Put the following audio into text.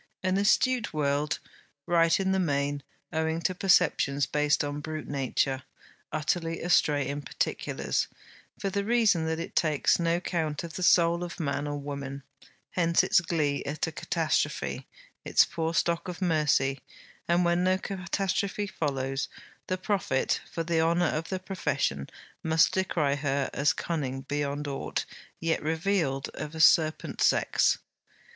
An astute world; right in the main, owing to perceptions based upon brute nature; utterly astray in particulars, for the reason that it takes no count of the soul of man or woman. Hence its glee at a catastrophe; its poor stock of mercy. And when no catastrophe follows, the prophet, for the honour of the profession, must decry her as cunning beyond aught yet revealed of a serpent sex.